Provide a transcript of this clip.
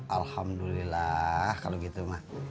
alhamdulillah kalau gitu mak